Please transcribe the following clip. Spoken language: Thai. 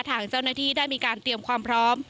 ทางเจ้าหน้าที่ได้มีการเตรียมความพร้อม